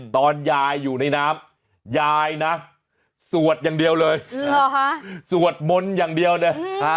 ตอนยายอยู่ในน้ำยายนะสวดอย่างเดียวเลยสวดมนต์อย่างเดียวเลย